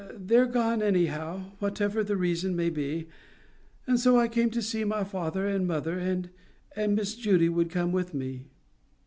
They're gone anyhow, whatever the reason may be; and so I came to see my father and mother, and Miss Judy would come with me."